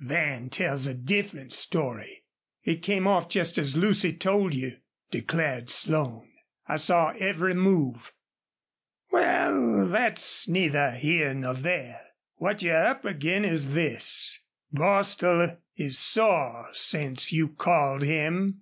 ... Van tells a different story." "It came off just as Lucy told you," declared Slone. "I saw every move." "Wal, thet's neither here nor there. What you're up ag'in is this. Bostil is sore since you called him.